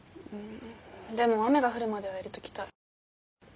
でも雨が降るまでは入れときたい。